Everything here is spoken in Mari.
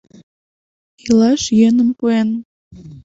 Илаш йӧным пуэн